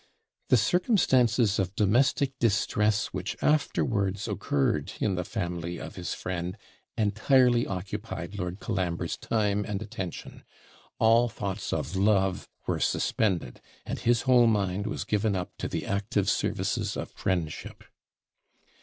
The circumstances of domestic distress, which afterwards occurred in the family of his friend, entirely occupied Lord Colambre's time and attention. All thoughts of love were suspended, and his whole mind was given up to the active services of friendship.